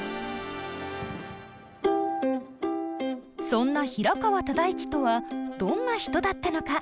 そんな平川唯一とはどんな人だったのか？